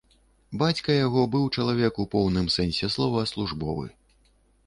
Бацька яго быў чалавек у поўным сэнсе слова службовы.